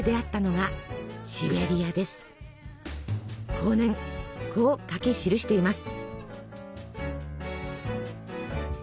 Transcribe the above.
後年こう書き記しています。